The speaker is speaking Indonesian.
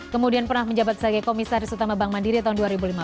kemudian pernah menjabat sebagai komisaris utama bank mandiri tahun dua ribu lima belas